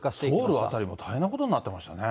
ソウル辺りも大変なことになってましたね。